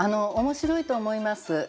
面白いと思います。